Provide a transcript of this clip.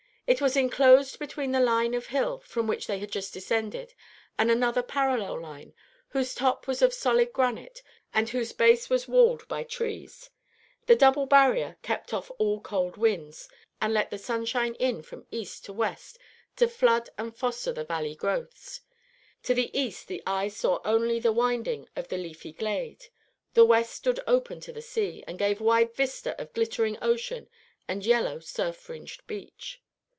It was enclosed between the line of hill from which they had just descended and another parallel line, whose top was of solid granite and whose base was walled by trees. This double barrier kept off all cold winds, and let the sunshine in from east to west to flood and foster the valley growths. To the east the eye saw only the winding of the leafy glade; the west stood open to the sea, and gave a wide vista of glittering ocean and yellow surf fringed beach.